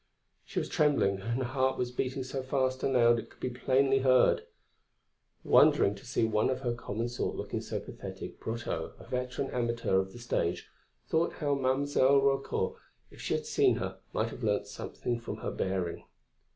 She was trembling and her heart was beating so fast and loud it could be plainly heard. Wondering to see one of her common sort look so pathetic, Brotteaux, a veteran amateur of the stage, thought how Mademoiselle Raucourt, if she could have seen her, might have learnt something from her bearing.